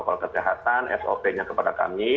protokol kesehatan sop nya kepada kami